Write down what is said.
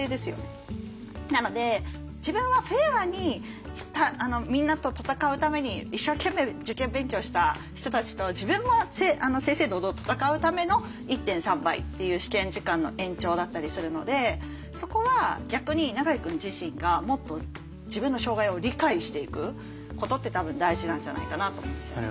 なので自分はフェアにみんなと戦うために一生懸命受験勉強した人たちと自分も正々堂々戦うための１．３倍っていう試験時間の延長だったりするのでそこは逆に永井君自身がもっと自分の障害を理解していくことって多分大事なんじゃないかなと思うんですよね。